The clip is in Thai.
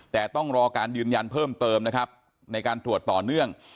แต่ต้องรอการยืนยันเพิ่มเติมนะครับในการตรวจต่อเนื่อง